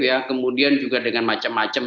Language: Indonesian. ya kemudian juga dengan macam macam